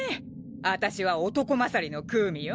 私は男勝りのクウミよ。